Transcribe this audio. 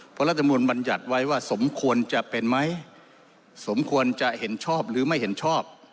เพราะรัฐมนุนบรรยัติไว้ว่าสมควรจะเป็นไหมสมควรจะเห็นชอบหรือไม่เห็นชอบ